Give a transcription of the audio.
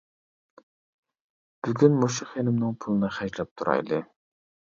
بۈگۈن مۇشۇ خېنىمنىڭ پۇلىنى خەجلەپ تۇرايلى.